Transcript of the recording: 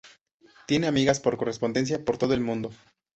Tiene amigas por correspondencia por todo el mundo.